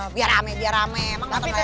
biar rame biar rame emang gak tenang aja